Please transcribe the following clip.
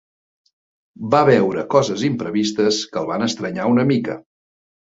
Va veure coses imprevistes que el van estranyar una mica.